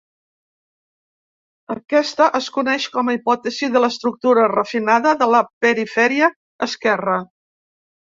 Aquesta es coneix com a hipòtesi de l'estructura refinada de la perifèria esquerra.